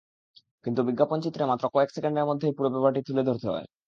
কিন্তু বিজ্ঞাপনচিত্রে মাত্র কয়েক সেকেন্ডের মধ্যেই পুরো ব্যাপারটি তুলে ধরতে হয়।